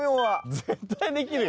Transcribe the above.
絶対できるよ。